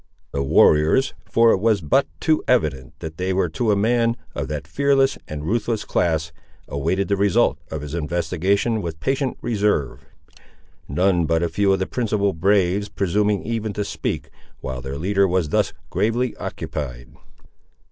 The warriors, for it was but too evident that they were to a man of that fearless and ruthless class, awaited the result of his investigation with patient reserve; none but a few of the principal braves, presuming even to speak, while their leader was thus gravely occupied.